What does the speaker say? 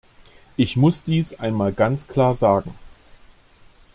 Ich muss dies einmal ganz klar sagen.